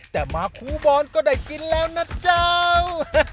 แต่มาครูบอลก็ได้กินแล้วนะเจ้า